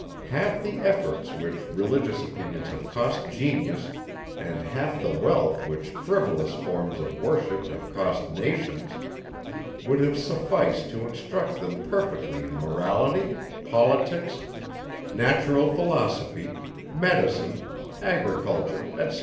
Half the efforts which religious opinions have cost genius, and half the wealth which frivolous forms of worship have cost nations would have sufficed to instruct them perfectly in morality, politics, natural philosophy, medicine, agriculture, etc.